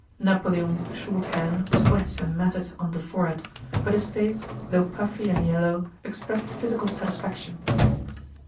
Napoleon's short hair was wet and matted on the forehead, but his face, though puffy and yellow, expressed physical satisfaction.